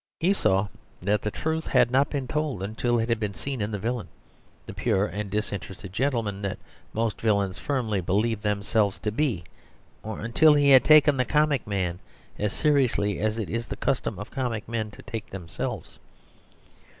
He saw that the truth had not been told until he had seen in the villain the pure and disinterested gentleman that most villains firmly believe themselves to be, or until he had taken the comic man as seriously as it is the custom of comic men to take themselves.